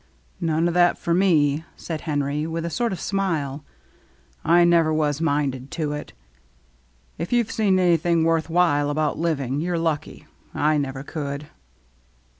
" None o' that for me," said Henry, with a sort of smile. " I never was minded to it. If you have seen anything worth while about living, you're lucky. I never could."